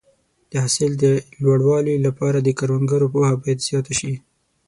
د حاصل د لوړوالي لپاره د کروندګرو پوهه باید زیاته شي.